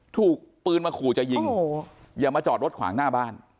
ถูกปืนมาขู่จะยิงอย่ามาจอดรถขวางหน้าบ้าน